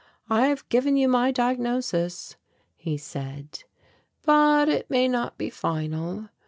"I have given you my diagnosis," he said, "but it may not be final.